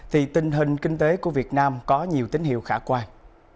thì tình hình kinh tế của việt nam có nhiều tín hiệu khả quan